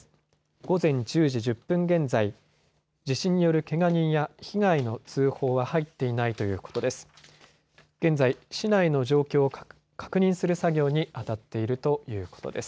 午前１０時１０分現在、地震によるけが人や被害の通報は入っていないということです。